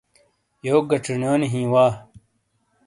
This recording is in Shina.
یوک گہ چھینیونی ہیں وا ۔